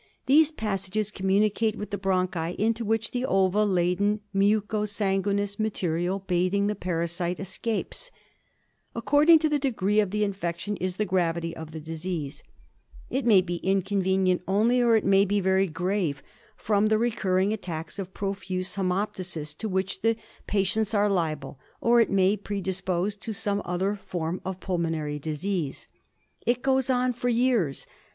These passages communicate with the bronchi into which the ova laden muco san guineous material bathing ^^^^^ pamemimui aaurma^i the parasites escapes. According to the degree of the infection is the gravity of the disease. It may be inconvenient only ; or it may be very grave from the recurring attacks of profuse hiemoptysis to which the patients are liable ; or it may predispose to some other form of pulmonary disease. It goes on for years.